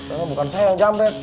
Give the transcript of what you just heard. emang bukan saya yang jamret